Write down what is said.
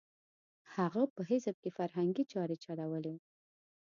هغه په حزب کې فرهنګي چارې چلولې.